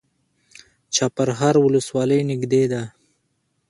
چپرهار ولسوالۍ نږدې ده؟